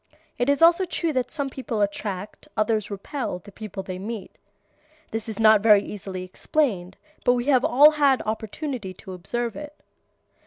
It is also true that some people attract, others repel, the people they meet. This is not very easily explained, but we have all had opportunity to observe it.